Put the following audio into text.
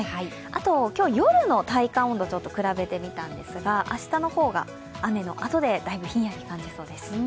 あと、今日夜の体感温度を比べてみたんですが、明日の方が雨のあとでだいぶひんやりと感じそうです。